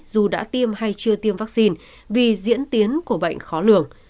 dù đã tiêm hay chưa tiêm vaccine vì diễn tiến của bệnh khó lường